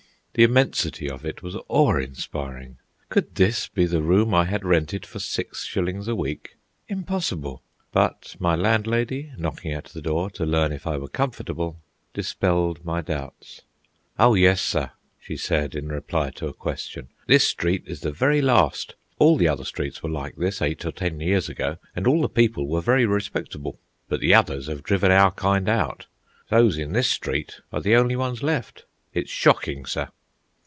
The immensity of it was awe inspiring. Could this be the room I had rented for six shillings a week? Impossible! But my landlady, knocking at the door to learn if I were comfortable, dispelled my doubts. "Oh yes, sir," she said, in reply to a question. "This street is the very last. All the other streets were like this eight or ten years ago, and all the people were very respectable. But the others have driven our kind out. Those in this street are the only ones left. It's shocking, sir!"